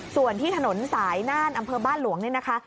ส่วนที่ถนนสายน่านอำเภอบ้านหลวงนี่นะคะ